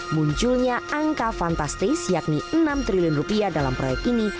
munculnya angka fantastis yakni enam triliun rupiah dalam proyek ini